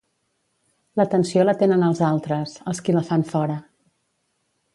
La tensió la tenen els altres, els qui la fan fora.